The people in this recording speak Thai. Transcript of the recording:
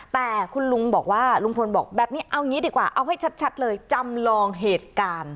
แต่คุณลุงบอกว่าลุงพลบอกแบบนี้เอางี้ดีกว่าเอาให้ชัดเลยจำลองเหตุการณ์